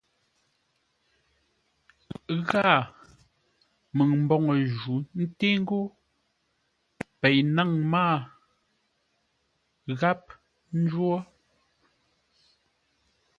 Ghâa, məŋ mboŋə jǔ ńté ńgó pei náŋ mâa gháp jwô.